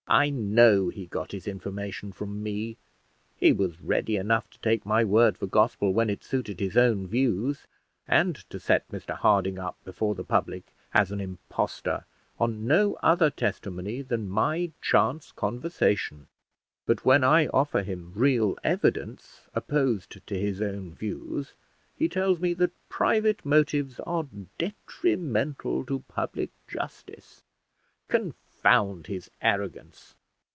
"I know he got his information from me. He was ready enough to take my word for gospel when it suited his own views, and to set Mr Harding up before the public as an impostor on no other testimony than my chance conversation; but when I offer him real evidence opposed to his own views, he tells me that private motives are detrimental to public justice! Confound his arrogance!